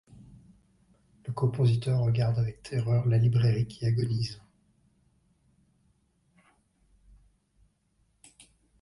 Le compositeur regarde avec terreur la librairie qui agonise.